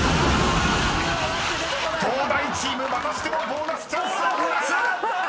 ［東大チームまたしてもボーナスチャンスを逃す！］